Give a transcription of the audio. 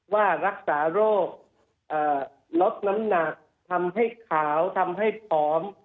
ว่ารักษาโรคลดน้ำหนักทำให้ขาวทำให้ผอม